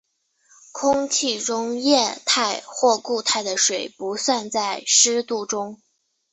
空气中液态或固态的水不算在湿度中。